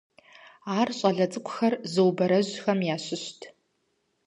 Ар щӀалэ цӀыкӀухэр зыубэрэжьхэм ящыщт.